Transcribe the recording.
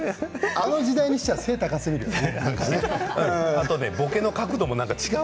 あの時代でしたら背が高すぎるよね。